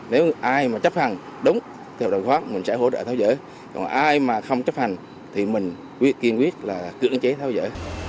nếu ai mà chấp hành đúng theo hợp đồng hoán mình sẽ hỗ trợ tháo dỡ còn ai mà không chấp hành thì mình kiên quyết là cưỡng chế thao dỡ